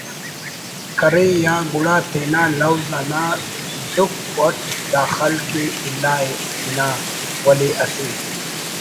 کرے یا گڑا تینا لوز آتا ڈکھ اٹ دا خلق ءِ الا ہنا ولے اسہ